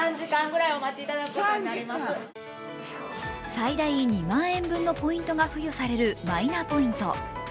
最大２万円分のポイントが付与されるマイナポイント。